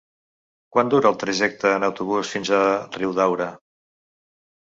Quant dura el trajecte en autobús fins a Riudaura?